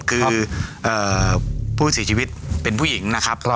คือผู้เสียชีวิตเป็นผู้หญิงนะครับ